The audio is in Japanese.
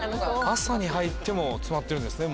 朝に入っても詰まってるんですね